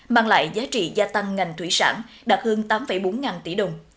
mang lại giá trị gia tăng ngành thủy sản đạt hơn tám bốn ngàn tỷ đồng